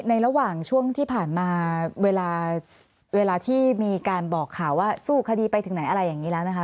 ระหว่างช่วงที่ผ่านมาเวลาที่มีการบอกข่าวว่าสู้คดีไปถึงไหนอะไรอย่างนี้แล้วนะคะ